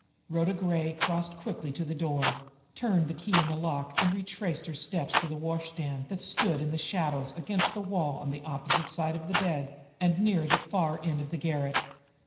Rhoda Gray crossed quickly to the door, turned the key in the lock, and retraced her steps to the washstand that stood in the shadows against the wall on the opposite side from the bed, and near the far end of the garret.